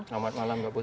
selamat malam mbak putri